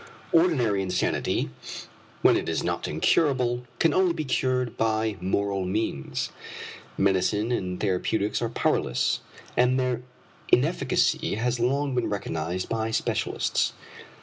Ordinary insanity, when it is not incurable, can only be cured by moral means. Medicine and therapeutics are powerless, and their inefficacy has long been recognized by specialists.